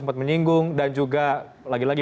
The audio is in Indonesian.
sempat menyinggung dan juga lagi lagi